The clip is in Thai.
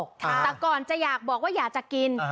แต่ก่อนจะอยากบอกว่าอยากจะกิน